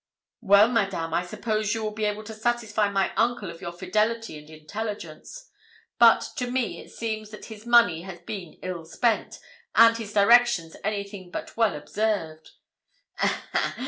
'Well, Madame, I suppose you will be able to satisfy my uncle of your fidelity and intelligence. But to me it seems that his money has been ill spent, and his directions anything but well observed.'